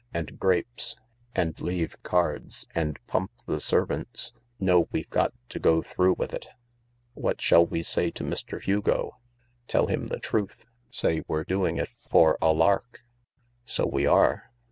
And grapes. And leave cards. And pump the servants. No, we've got to go through with it." " What shall we say to Mr. Hugo ?" "Tell him the truth— say we're doing it for a lark. So we are."